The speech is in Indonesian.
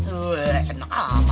ewe enak apa